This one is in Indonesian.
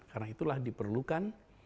karena itulah diperlukan